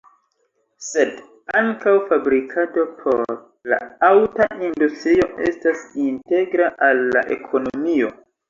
Sed ankaŭ fabrikado por la aŭta industrio estas integra al la ekonomio.